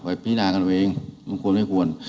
พินากันเองมันควรไม่ควร